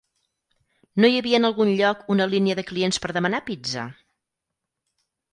No hi havia en algun lloc una línia de clients per demanar pizza?